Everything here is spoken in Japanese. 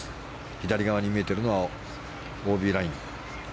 左側に見えていたのがＯＢライン。